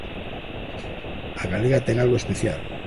A galega ten algo especial.